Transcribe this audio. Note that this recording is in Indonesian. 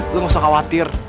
lo gak usah khawatir